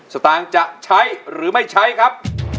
สตางค์จะใช้หรือไม่ใช้ครับ